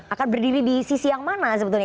akan berdiri di sisi yang mana sebetulnya